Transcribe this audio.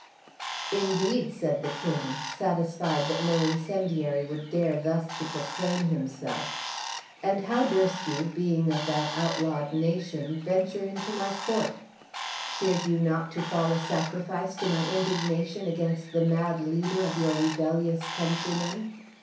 "Indeed!" said the king, satisfied that no incendiary would dare thus to proclaim himself. "And how durst you, being of that outlawed nation, venture into my court? Feared you not to fall a sacrifice to my indignation against the mad leader of your rebellious countrymen?"